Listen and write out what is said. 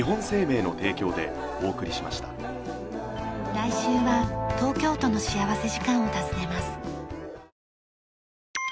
来週は東京都の幸福時間を訪ねます。